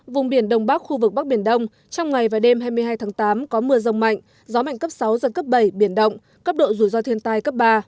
vùng biển đông bắc khu vực bắc biển đông trong ngày và đêm hai mươi hai tháng tám có mưa rông mạnh gió mạnh cấp sáu giật cấp bảy biển động cấp độ rủi ro thiên tai cấp ba